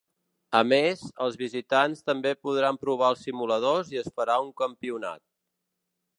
A més, els visitants també podran provar els simuladors i es farà un campionat.